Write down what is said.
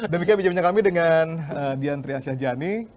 demikian bijaknya kami dengan dian triansyah jani